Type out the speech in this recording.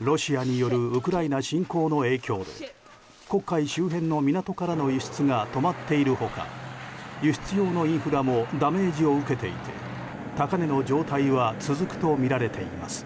ロシアによるウクライナ侵攻の影響で黒海周辺の港からの輸出が止まっている他輸出用のインフラもダメージを受けていて高値の状態は続くとみられています。